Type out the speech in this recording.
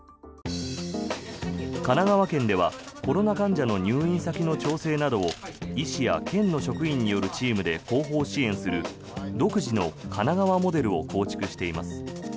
神奈川県ではコロナ患者の入院先の調整などを医師や県の職員によるチームで後方支援する独自の神奈川モデルを構築しています。